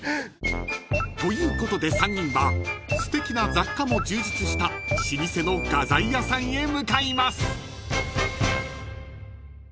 ［ということで３人はすてきな雑貨も充実した老舗の画材屋さんへ向かいます］